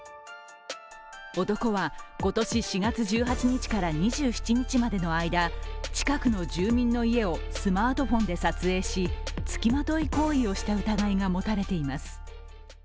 男は今年４月１８日から２７日までの間近くの住民の家をスマートフォンで撮影しつきまとい行為をした疑いが持たれています。